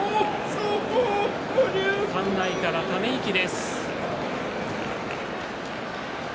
館内から、ため息です。